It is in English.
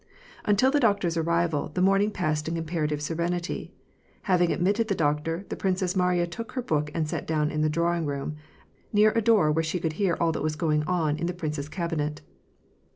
Until the doctor's arrival, the morning passed in comparative serenity. Having admitted the doctor, the Princess Mariya took her book, and sat down in the drawing room, near a door, where she could hear all that was going on in the prince's cabinet.